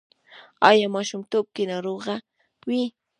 ایا ماشومتوب کې ناروغه وئ؟